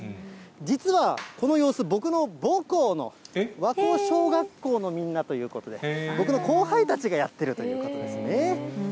実はこの様子、僕の母校の和光小学校のみんなということで、僕の後輩たちがやってるということですね。